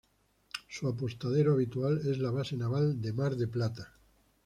Su apostadero habitual es la Base Naval de Mar del Plata.